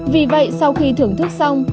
vì vậy sau khi thưởng thức xong